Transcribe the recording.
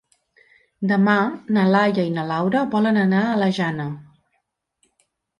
Demà na Laia i na Laura volen anar a la Jana.